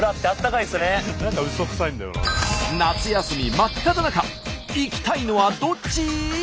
夏休み真っただ中行きたいのはどっち？